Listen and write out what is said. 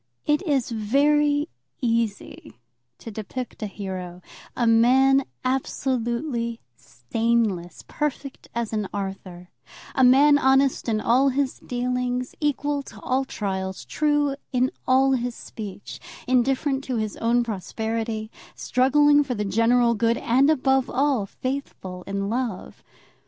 It is very easy to depict a hero, a man absolutely stainless, perfect as an Arthur, a man honest in all his dealings, equal to all trials, true in all his speech, indifferent to his own prosperity, struggling for the general good, and, above all, faithful in love.